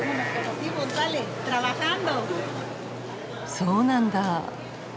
そうなんだ。